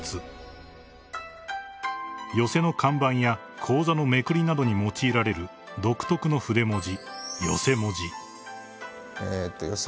［寄席の看板や高座のめくりなどに用いられる独特の筆文字］